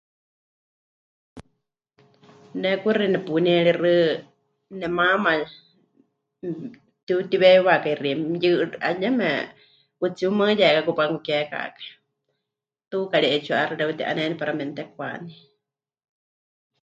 Ne kuxi nepunieríxɨ nemaama pɨtiutiweewiwakai xime... eh, yeme 'utsiumaɨyekaku panukukekakai, tuuka ri 'eetsiwa 'aixɨ mɨreuti'aneni para memɨtekwaní.